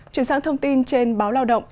chuyển sang thông tin trên báo lao động